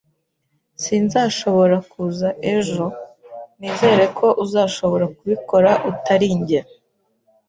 Sinzashobora kuza ejo. Nizere ko uzashobora kubikora utari njye.